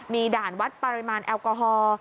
มีด่านวัดปริมาณแอลกอฮอล์